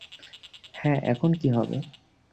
হ্যাঁ, এখন কী হবে?